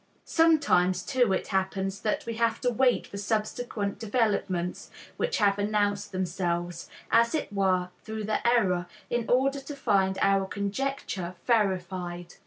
Sometimes, too, it happens that we have to wait for subsequent developments, which have announced themselves, as it were, through the error, in order to find our conjecture verified.